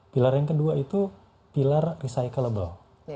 pilar yang kedua itu pilar recycle